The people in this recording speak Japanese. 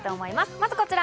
まずこちら。